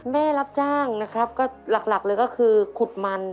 แม่รับจ้างนะครับก็หลักเลยก็คือขุดมัน